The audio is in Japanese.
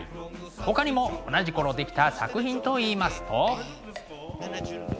ほかにも同じ頃出来た作品といいますと。